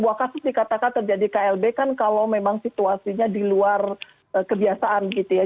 bahwa kasus dikatakan terjadi klb kan kalau memang situasinya di luar kebiasaan gitu ya